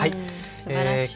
すばらしい。